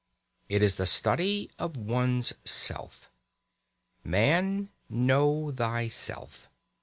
It is the study of one's self. Man, know thyself.